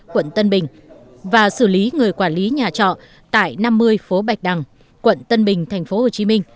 quận tân bình và xử lý người quản lý nhà trọ tại năm mươi phố bạch đằng quận tân bình tp hcm